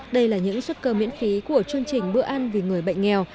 đây là những xuất cơ miễn phí của chương trình bữa ăn vì người bệnh nghèo